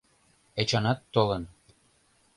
Эчанат толын.